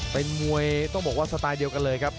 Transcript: เป็นมวยต้องบอกว่าสไตล์เดียวกันเลยครับ